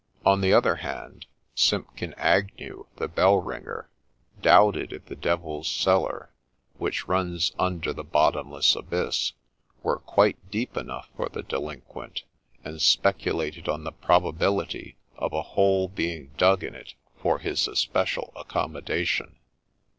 On the other hand, Simpkin Agnew, the bell ringer, doubted if the devil's cellar, which runs under the bottomless abyss, were quite deep enough for the delinquent, and speculated on the probability of a hole being dug hi it for his especial accommodation.